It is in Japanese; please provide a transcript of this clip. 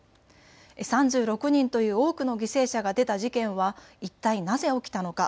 ３６人という多くの犠牲者が出た事件は一体なぜ起きたのか。